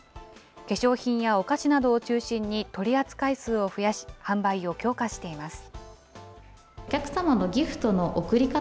化粧品やお菓子などを中心に取り扱い数を増やし、販売を強化しています。